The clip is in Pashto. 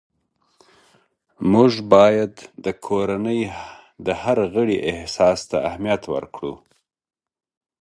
موږ باید د کورنۍ هر غړي احساس ته اهمیت ورکړو